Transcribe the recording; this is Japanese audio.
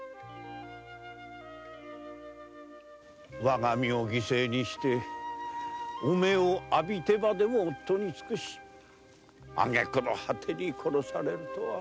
わが身を犠牲にし汚名を浴びてまでも夫につくしあげくの果てに殺されるとは。